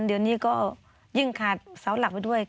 เดี๋ยวนี้ก็ยิ่งขาดเสาหลักไปด้วย